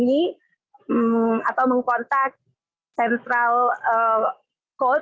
hanya itu memang jemaah haji juga bisa langsung diberikan ke tempat lain